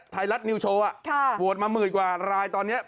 ไทยรัฐนิวโชว์โหวตมาหมื่นกว่ารายตอนนี้